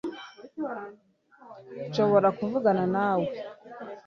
Nshobora kuvugana nawe